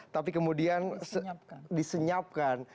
tapi kemudian disenyapkan